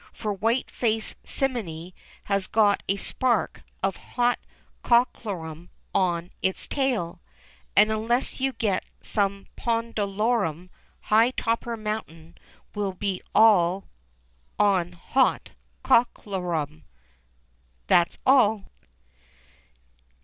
For white faced simminy has got a spark of hot cockalorum on its tail, and unless you get some pondalorum high topper mountain will be all on hot cockalorum." ... That's all